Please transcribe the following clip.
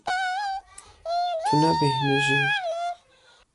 Tu nebêhnijî.